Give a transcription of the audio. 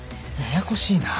ややこしいな。